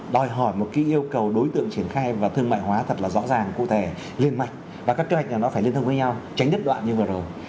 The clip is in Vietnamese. đòi hỏi một cái yêu cầu đối tượng triển khai và thương mại hóa thật là rõ ràng cụ thể liên mạch và các kế hoạch là nó phải liên thông với nhau tránh đứt đoạn như vừa rồi